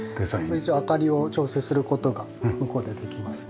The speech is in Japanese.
一応明かりを調整する事が向こうでできますね。